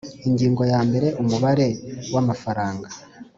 Ingingo ya mbere Umubare w amafaranga